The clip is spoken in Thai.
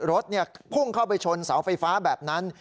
รถพุ่งเข้าไปชนเสาไฟฟ้าแบบนั้น